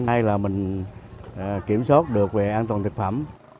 hay là mình kiểm soát được về an toàn thực phẩm